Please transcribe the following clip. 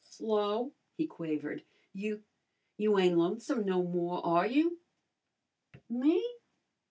"Flo," he quavered, "you you ain't lonesome no more, are you?" "Me?